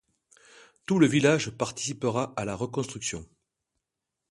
Tout le village participera à la reconstruction.